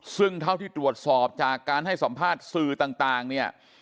ซึ่งเท่าที่ตรวจสอบจากการให้สัมภาษณ์สื่อต่างเนี่ย